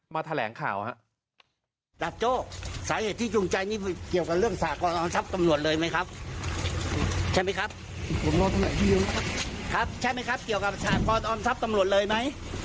มาแถลงข่าวฮะ